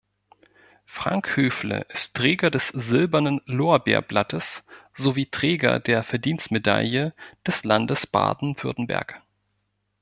Frank Höfle ist Träger des Silbernen Lorbeerblattes sowie Träger der Verdienstmedaille des Landes Baden-Württemberg.